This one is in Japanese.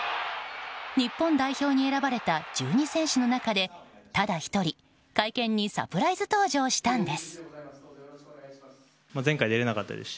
日本代表に選ばれた１２選手の中でただ１人、会見にサプライズ登場したんです。